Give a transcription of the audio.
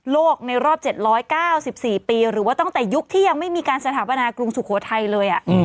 ในรอบ๗๙๔ปีหรือว่าตั้งแต่ยุคที่ยังไม่มีการสถาปนากรุงสุโขทัยเลย